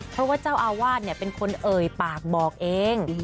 เพราะว่าเจ้าอาวาสเป็นคนเอ่ยปากบอกเอง